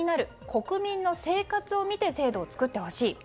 国民の生活を見て制度を作ってほしい。